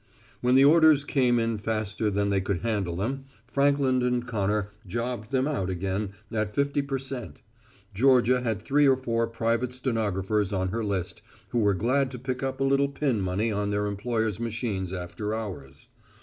When the orders came in faster than they could handle them, Frankland & Connor jobbed them out again at fifty per cent. Georgia had three or four private stenographers on her list who were glad to pick up a little pin money on their employers' machines after hours.